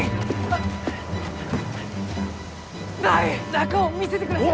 中を見せてください！